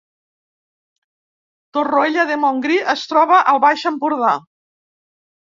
Torroella de Montgrí es troba al Baix Empordà